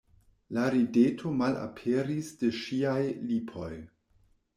La rideto malaperis de ŝiaj lipoj.